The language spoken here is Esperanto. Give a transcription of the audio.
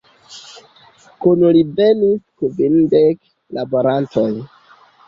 Kun li venis kvindek laborantoj.